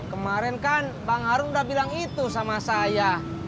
kemarin kan bang harun udah bilang itu sama saya